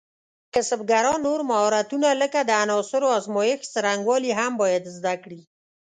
کسبګران نور مهارتونه لکه د عناصرو ازمېښت څرنګوالي هم باید زده کړي.